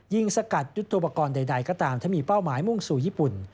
สกัดยุทธโปรกรณ์ใดก็ตามถ้ามีเป้าหมายมุ่งสู่ญี่ปุ่น